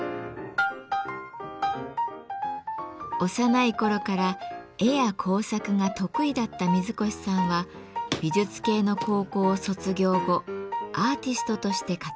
幼い頃から絵や工作が得意だった水越さんは美術系の高校を卒業後アーティストとして活動を始めました。